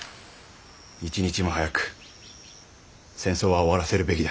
一日も早く戦争は終わらせるべきだ。